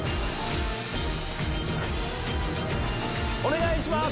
お願いします！